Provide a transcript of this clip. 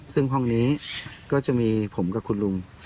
ซึ่งห้องนี้ก็จะมีผมกับคุณลุง